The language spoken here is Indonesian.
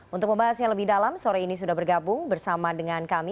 untuk membahasnya lebih dalam sore ini sudah bergabung bersama dengan kami